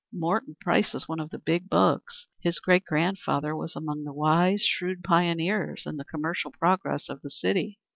"Morton Price is one of the big bugs. His great grandfather was among the wise, shrewd pioneers in the commercial progress of the city.